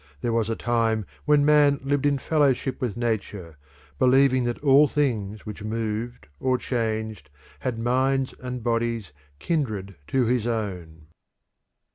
There was a time when man lived in fellowship with nature, believing that all things which moved or changed had minds and bodies kindred to his own.